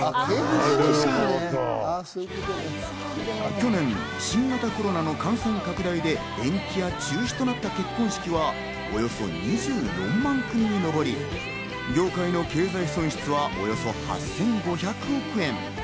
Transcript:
去年、新型コロナの感染拡大で延期や中止となった結婚式はおよそ２４万組に上り、業界の経済損失はおよそ８５００億円。